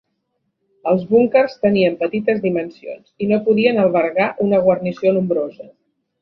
Els búnquers tenien petites dimensions, i no podien albergar una guarnició nombrosa.